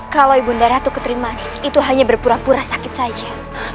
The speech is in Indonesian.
kalau ibunda ratu ketriman itu hanya berpura pura sakit saja